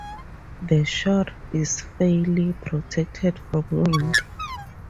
The shore is fairly protected from wind.